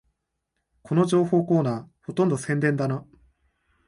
この情報コーナー、ほとんど宣伝だな